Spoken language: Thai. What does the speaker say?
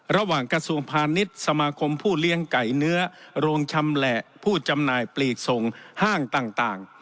ระหว่างกระทรวงพาณิชย์สมาคมผู้เลี้ยงไก่เนื้อโรงชำแหละผู้จำหน่ายปลีกส่งห้างต่าง